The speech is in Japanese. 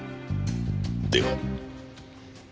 では。